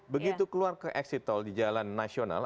begitu keluar ke eksit tol di jalan nasional